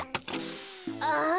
ああ。